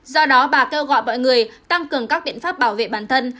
do đó bà kêu gọi mọi người tăng cường các biện pháp bảo vệ bản thân